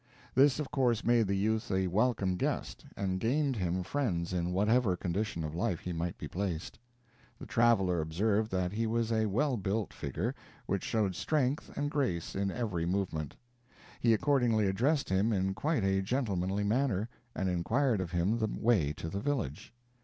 This of course made the youth a welcome guest, and gained him friends in whatever condition of life he might be placed. The traveler observed that he was a well built figure, which showed strength and grace in every movement. He accordingly addressed him in quite a gentlemanly manner, and inquired of him the way to the village.